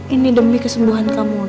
ini demi kesembuhan kamu